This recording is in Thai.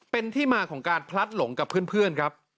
เป็นที่มาของการพลัดหลงกับเพื่อนครับ